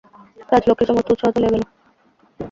রাজলক্ষ্মীর সমস্ত উৎসাহ চলিয়া গেল।